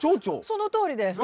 そのとおりです。